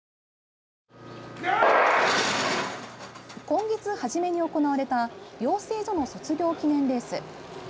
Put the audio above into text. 今月初めに行われた養成所の卒業記念レース。